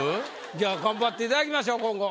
じゃあ頑張っていただきましょう今後。